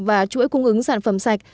và chuỗi cung ứng sản phẩm sạch